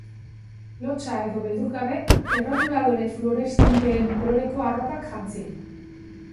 Lotsa edo beldur gabe, errotuladore fluoreszenteen koloreko arropak jantzi.